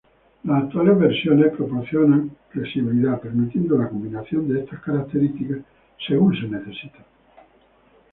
Las actuales versiones proporcionan flexibilidad permitiendo la combinación de estas características según se necesiten.